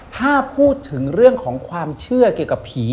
ถ้าพูดถึงเรื่องของความเชื่อเกี่ยวกับผี